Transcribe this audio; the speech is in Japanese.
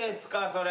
それ。